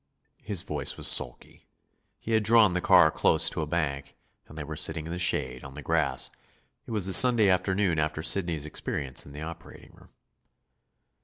His voice was sulky. He had drawn the car close to a bank, and they were sitting in the shade, on the grass. It was the Sunday afternoon after Sidney's experience in the operating room.